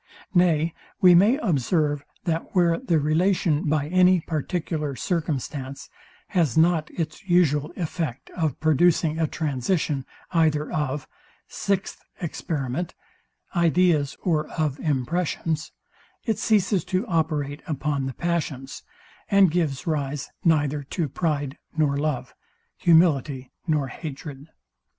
Nay we may observe, that where the relation, by any particular circumstance, has not its usual effect of producing a transition either of ideas or of impressions, it ceases to operate upon the passions, and gives rise neither to pride nor love, humility nor hatred.